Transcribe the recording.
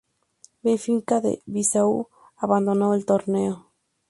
Benfica de Bissau abandonó el torneo.